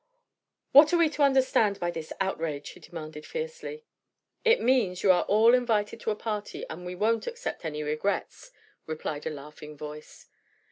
"What are we to understand by this outrage?" he demanded fiercely. "It means you are all invited to a party, and we won't accept any regrets," replied a laughing voice.